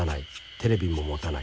テレビも持たない。